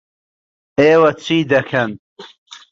ئێوە چی دەکەن؟